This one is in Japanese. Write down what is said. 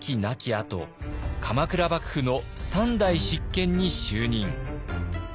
あと鎌倉幕府の３代執権に就任。